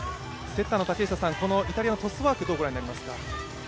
セッターの竹下さん、イタリアのトスワーク、どうご覧になりますか？